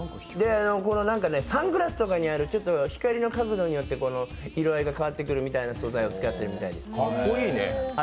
サングラスとかにあるちょっと光の角度によって色合いが変わってくるみたいな素材を使っているみたいです。